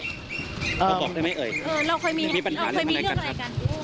เขาบอกได้ไหมเอ๋ยมันมีปัญหาเรื่องอะไรกันครับ